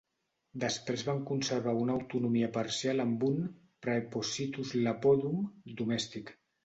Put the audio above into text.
Després van conservar una autonomia parcial amb un "praepositus Iapodum" domèstic.